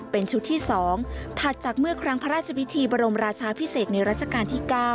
เป็นชุดที่๒ถัดจากเมื่อครั้งพระราชพิธีบรมราชาพิเศษในรัชกาลที่๙